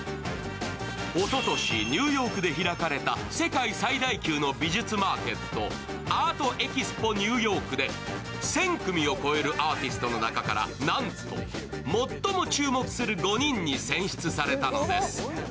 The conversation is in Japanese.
おととし、ニューヨークで開かれた世界最大級の美術マーケット、アート・エキスポ・ニューヨークで、１０００組を超えるアーティストの中からなんと、最も注目する５人に選出されたのです。